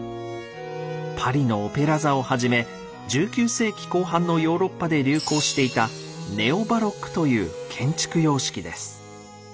パリのオペラ座をはじめ１９世紀後半のヨーロッパで流行していた「ネオ・バロック」という建築様式です。